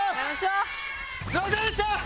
すみませんでした！